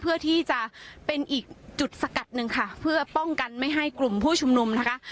เพื่อที่จะเป็นอีกจุดสกัดหนึ่งค่ะเพื่อป้องกันไม่ให้กลุ่มผู้ชุมนุมนะคะ